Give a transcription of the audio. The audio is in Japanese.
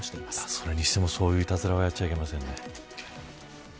それにしても、そういういたずらはやっちゃいけませんね。